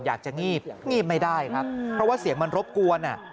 อยากจะงีบงีบไม่ได้ครับเพราะว่าเสียงมันรบกวน